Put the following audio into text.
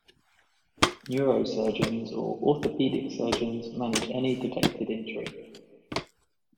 Neurosurgeons or orthopaedic surgeons manage any detected injury.